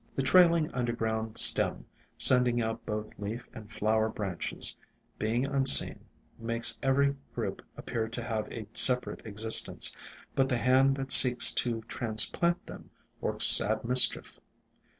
The trailing underground stem, sending out both leaf and flower branches, being unseen, makes every group appear to have a separate existence, but the hand that seeks to trans plant them works sad mis chief.